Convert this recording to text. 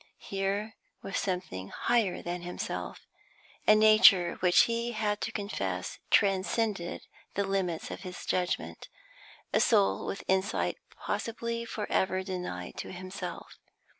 Here was something higher than himself, a nature which he had to confess transcended the limits of his judgment, a soul with insight possibly for ever denied to himself.